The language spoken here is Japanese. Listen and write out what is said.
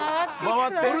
回って？